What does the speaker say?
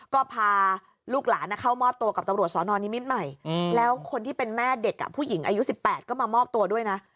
ก็พาลูกหลานเข้ามอบตัวกับตำรวจสอนอนนิมิตรใหม่แล้วคนที่เป็นแม่เด็กผู้หญิงอายุ๑๘ก็มามอบตัวด้วยนะ